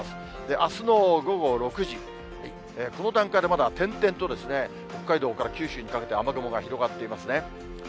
あすの午後６時、この段階でまだ点々と北海道から九州にかけて雨雲が広がっていますね。